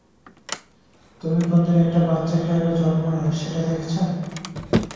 তুমি কোনদিন একটা বাচ্চা কিভাবে জন্ম হয় সেটা দেখেছ?